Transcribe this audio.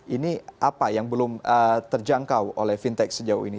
ini apa yang belum terjangkau oleh fintech sejauh ini